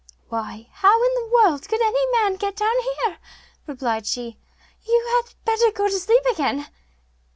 'Why, how in the world could any man get down here?' replied she; 'you had better go to sleep again.